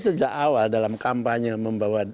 sejak awal dalam kampanye membawa